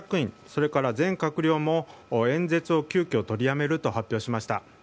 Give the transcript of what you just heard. それから全閣僚も演説を急きょ取りやめると発表しました。